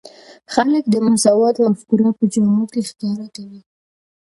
خلک د مساوات مفکوره په جامو کې ښکاره کوي.